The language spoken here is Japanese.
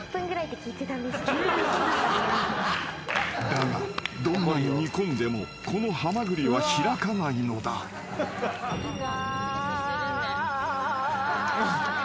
［だがどんなに煮込んでもこのハマグリは開かないのだ］あーっ。